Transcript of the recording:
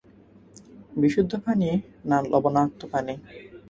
বিশুদ্ধ পানি না লবণাক্ত পানি?